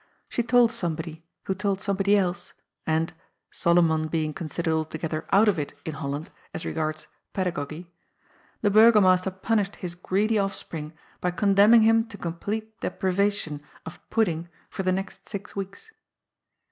She told somebody who told somebody else, and — Solomon being considered al together " out of it " in Holland as regards " pedagogy "— the Burgomaster punished his greedy offspring by con demning him to complete deprivation of pudding for the next six weeks.